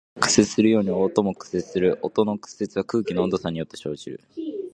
光が屈折するように音も屈折する。音の屈折は空気の温度差によって生じる。